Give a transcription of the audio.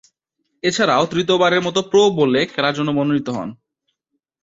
এছাড়াও, তৃতীয়বারের মতো প্রো বোলে খেলার জন্য মনোনীত হন।